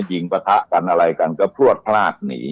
ปะทะกันอะไรกันก็พลวดพลาดหนี